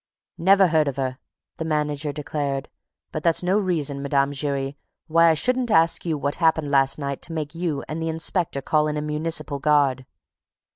"Never heard of her!" the manager declared. "But that's no reason, Mme. Giry, why I shouldn't ask you what happened last night to make you and the inspector call in a municipal guard."